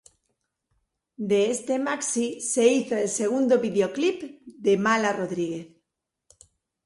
De este maxi se hizo el segundo videoclip de Mala Rodríguez.